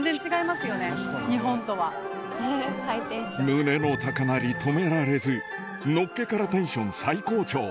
胸の高鳴り止められずのっけからテンション最高潮